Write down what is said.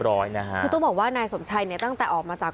คือต้องบอกว่านายสมชัยเนี่ยตั้งแต่ออกมาจาก